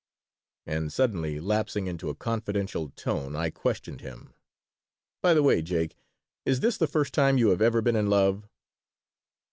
And suddenly lapsing into a confidential tone, I questioned him: "By the way, Jake, is this the first time you have ever been in love?"